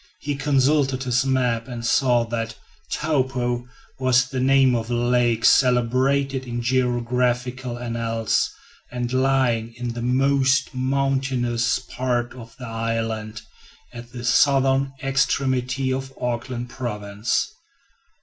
He consulted his map and saw that "Taupo" was the name of a lake celebrated in geographical annals, and lying in the most mountainous part of the island, at the southern extremity of Auckland province.